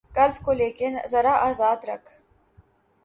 قلب کو لیکن ذرا آزاد رکھ